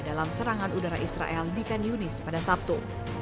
dalam serangan udara israel di kan yunis pada sabtu